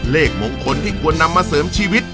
เลขมงคลที่ควรนำมาเสริมชีวิต